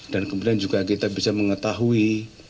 dan kemudian juga kita bisa mengetahui